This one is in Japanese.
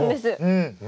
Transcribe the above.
うん。